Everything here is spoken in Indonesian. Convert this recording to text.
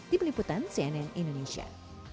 di peliputan cnn indonesia